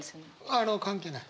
あの関係ない。